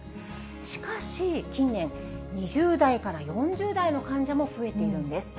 しかし、近年、２０代から４０代の患者も増えているんです。